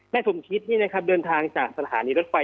สมคิดเดินทางจากสถานีรถไฟ